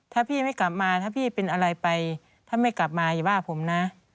ถ้าพี่ไม่กลับมาถ้าพี่เป็นอะไรไปถ้าไม่กลับมาอย่าว่าผมนะ